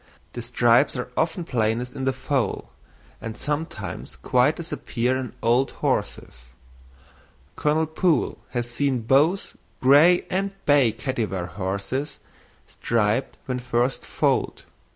The stripes are often plainest in the foal; and sometimes quite disappear in old horses. Colonel Poole has seen both gray and bay Kattywar horses striped when first foaled.